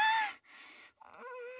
うん。